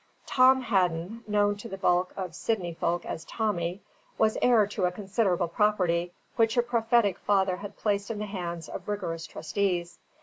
Tom Hadden (known to the bulk of Sydney folk as Tommy) was heir to a considerable property, which a prophetic father had placed in the hands of rigorous trustees.